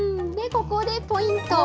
ここでポイント。